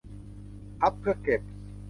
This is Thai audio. พับเพื่อเก็บ